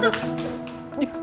satu lagi satu